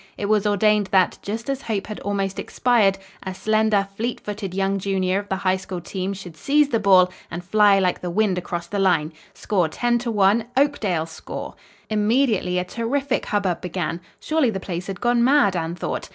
It was ordained that, just as hope had almost expired, a slender, fleet footed young junior of the High School team should seize the ball and fly like the wind across the line. Score 10 to 1 Oakdale's score! Immediately a terrific hubbub began. Surely the place had gone mad, Anne thought.